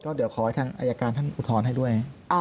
เดี๋ยวขอให้ทางอายการท่านอุทธรณ์ให้ด้วย